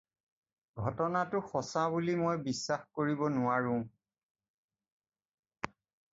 ঘটনাটো সঁচা বুলি মই বিশ্বাস কৰিব নোৱাৰোঁ।